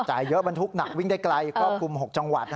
จ่ายเยอะบรรทุกหนักวิ่งได้ไกลก็กลุ่ม๖จังหวัด